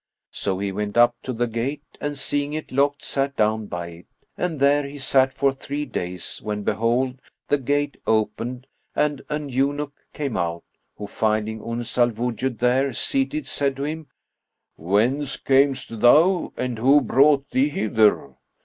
So he went up to the gate and seeing it locked, sat down by it; and there he sat for three days when behold, the gate opened and an eunuch came out, who finding Uns al Wujud there seated, said to him, "Whence camest thou and who brought thee hither?"